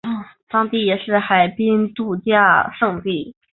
当地也是海滨度假胜地。